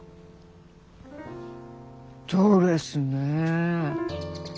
ドレスねぇ。